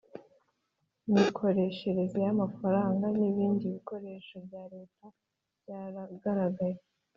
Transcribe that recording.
mikoreshereze y amafaranga n ibindi bikoresho bya Leta Byagaragaye